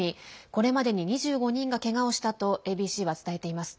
これまでに２５人がけがをしたとＡＢＣは伝えています。